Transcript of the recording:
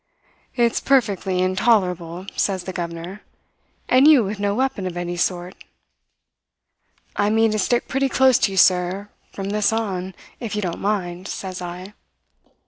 "'It's perfectly intolerable,' says the governor. 'And you with no weapon of any sort!' "'I mean to stick pretty close to you, sir, from this on, if you don't mind,' says I.